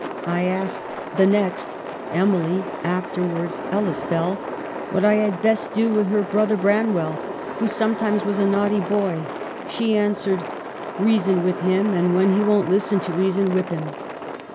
I asked the next (Emily, afterwards Ellis Bell) what I had best do with her brother Bran well, who sometimes was a naughty boy ; she answered, ' Reason with him ; and when he won't listen to reason whip him.'